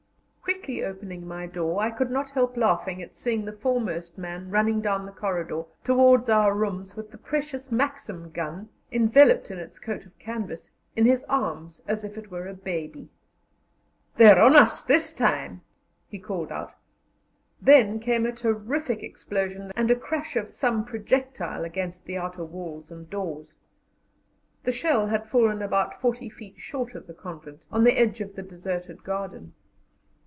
Quickly opening my door, I could not help laughing at seeing the foremost man running down the corridor towards our rooms with the precious Maxim gun, enveloped in its coat of canvas, in his arms as if it were a baby. "They're on us this time," he called out; then came a terrific explosion and a crash of some projectile against the outer walls and doors. The shell had fallen about 40 feet short of the convent, on the edge of the deserted garden.